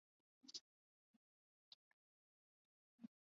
其时喃迦巴藏卜已卒。